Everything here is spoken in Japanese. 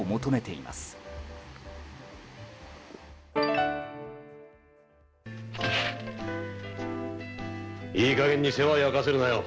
いい加減に世話焼かせるなよ。